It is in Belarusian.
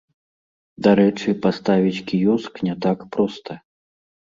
Дарэчы, паставіць кіёск не так проста.